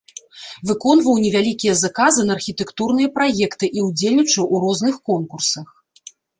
Выконваў невялікія заказы на архітэктурныя праекты і ўдзельнічаў у розных конкурсах.